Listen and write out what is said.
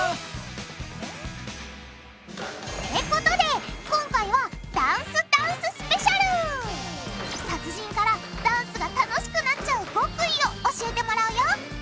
えっ？ってことで今回は達人からダンスが楽しくなっちゃう極意を教えてもらうよ。